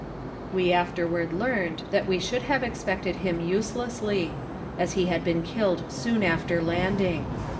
"We afterward learned that we should have expected him uselessly, as ho had been killed soon after landing.